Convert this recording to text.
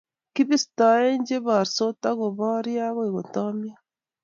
kibistoi che borsot ko borio agoi kotamio